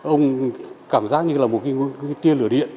ông cảm giác như là một cái tiên lửa điện